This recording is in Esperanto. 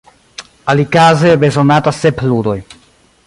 Alikaze bezonatas sep ludoj.